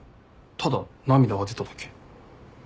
ただ涙が出ただけ。